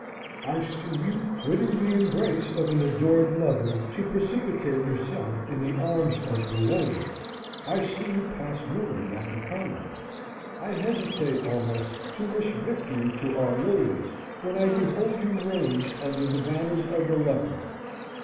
I see you quitting the embrace of an adored mother to precipitate yourself in the arms of Bellona. I see you pass wounded after combats. I hesitate almost to wish victory to our lilies when I behold you ranged under the banners of the Leopard.